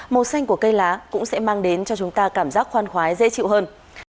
màu xanh của cây lá cũng sẽ mang đến cho chúng ta cảm giác khoan khoái dễ chịu hơn